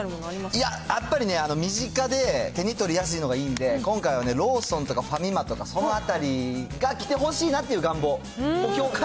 やっぱりね、身近で手に取りやすいのがいいんで、今回はね、ローソンとかファミマとか、そのあたりが来てほしいなっていう願望。